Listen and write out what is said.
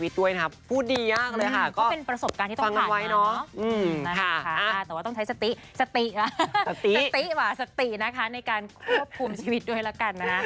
สตินะคะในการควบคุมชีวิตด้วยแล้วกันนะ